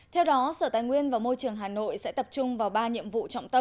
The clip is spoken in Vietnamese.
theo đó sở tài nguyên và môi trường hà nội sẽ tập trung vào ba nhiệm vụ